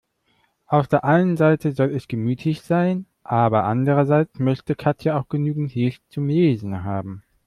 Auf der einen Seite soll es gemütlich sein, aber andererseits möchte Katja auch genügend Licht zum Lesen haben.